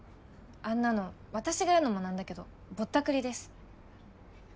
あんなの私が言うのもなんだけどぼったくりです。